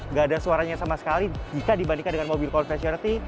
nggak ada suaranya sama sekali jika dibandingkan dengan mobil konvensionality